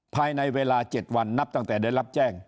ภายในเวลา๗วันนับตั้งแต่ได้รับแจ้ง